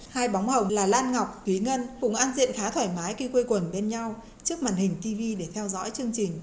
hai bóng hồng là lan ngọc thúy ngân cũng ăn diện khá thoải mái khi quê quần bên nhau trước màn hình tv để theo dõi chương trình